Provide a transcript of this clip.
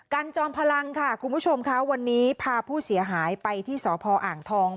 จอมพลังค่ะคุณผู้ชมค่ะวันนี้พาผู้เสียหายไปที่สพอ่างทอง